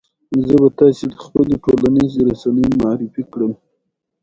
ازادي راډیو د ټولنیز بدلون لپاره د مرستو پروګرامونه معرفي کړي.